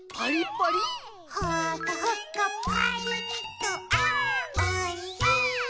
「ほかほかパリッとあーおいしい！」